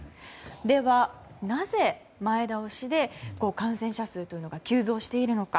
では、なぜ前倒しで感染者数が急増しているのか。